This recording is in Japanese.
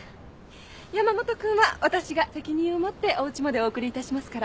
山本君は私が責任を持っておうちまでお送りいたしますから。